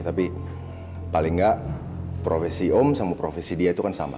tapi paling nggak profesi om sama profesi dia itu kan sama